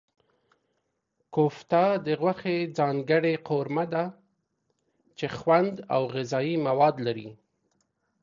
کوفته د غوښې ځانګړې قورمه ده چې خوند او غذايي مواد لري.